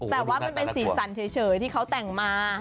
แต่ว่ามันเป็นสีสันเฉยที่เขาแต่งมา